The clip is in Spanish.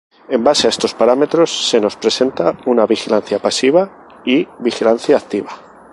En base a estos parámetros, se nos presenta una: vigilancia pasiva y vigilancia activa.